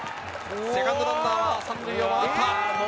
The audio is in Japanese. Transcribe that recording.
セカンドランナーは３塁を回った。